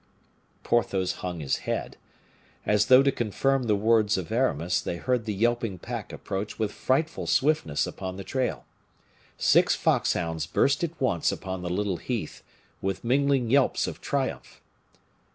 Porthos hung his head. As though to confirm the words of Aramis, they heard the yelping pack approach with frightful swiftness upon the trail. Six foxhounds burst at once upon the little heath, with mingling yelps of triumph.